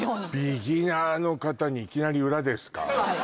ビギナーの方にいきなり裏ですか？